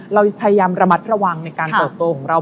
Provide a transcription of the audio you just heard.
เราพยายามระมัดระวังในการเติบโตของเรา